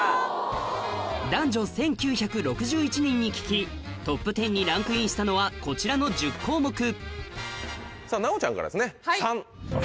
男女１９６１人に聞きトップ１０にランクインしたのはこちらの１０項目さぁ奈央ちゃんからですね３。